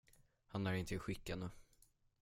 Han är inte i skick ännu.